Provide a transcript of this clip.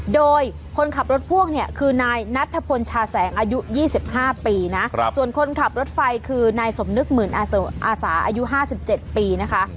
โดยคนขับรถพ่วงเนี่ยคือนายนัทพลชาแสงอายุ๒๕ปีนะส่วนคนขับรถไฟคือนายสมนึกหมื่นอาสาอายุ๕๗ปีนะคะ